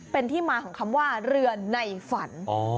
เป็นที่มาของคำว่าเรือในฝัน